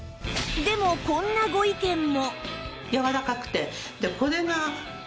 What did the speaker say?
でもこんなご意見も